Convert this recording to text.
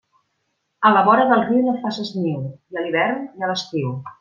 A la vora del riu no faces niu, ni a l'hivern ni a l'estiu.